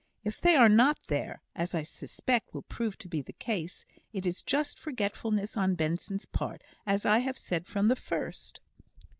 If they are not there (as I suspect will prove to be the case), it is just forgetfulness on Benson's part, as I have said from the first."